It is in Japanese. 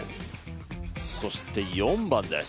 そして４番です。